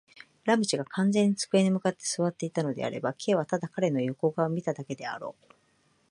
ラム氏が完全に机に向って坐っていたのであれば、Ｋ はただ彼の横顔を見ただけであろう。